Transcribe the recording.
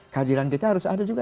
keadilan kita harus ada juga